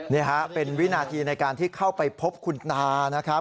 นี่ฮะเป็นวินาทีในการที่เข้าไปพบคุณตานะครับ